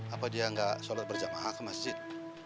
apa dia nggak sholat berjamaah ke masjid